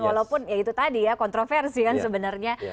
walaupun ya itu tadi ya kontroversi kan sebenarnya